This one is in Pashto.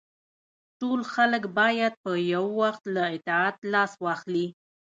ټول خلک باید په یو وخت له اطاعت لاس واخلي.